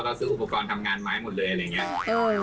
ซื้ออุปกรณ์ทำงานไม้หมดเลยอะไรอย่างนี้